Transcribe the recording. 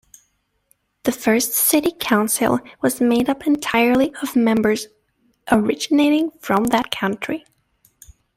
The first City Council was made up entirely of members originating from that country.